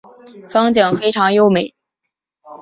风景非常优美。